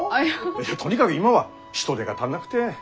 とにかぐ今は人手が足んなくて。